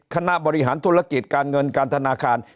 คณะบริหารธุรกิจการเงินการธนาคาร